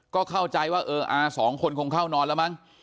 ก็เข้าใจว่าเอออาสองคนคงเข้านอนแล้วมั้ง